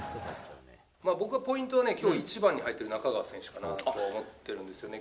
僕はポイントはね、きょうは１番に入ってる中川選手かなと思ってるんですよね。